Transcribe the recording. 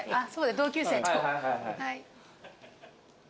同級生と。